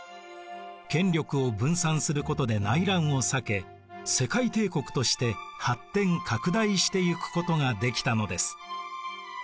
権力を分散することで内乱を避け世界帝国として発展拡大していくことができたのです。